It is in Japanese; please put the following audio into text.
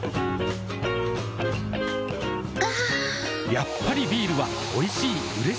やっぱりビールはおいしい、うれしい。